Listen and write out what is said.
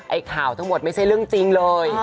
ไอ้ข่าวทั้งหมดไม่ใช่เรื่องจริงเลย